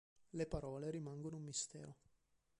Le parole rimangono un mistero.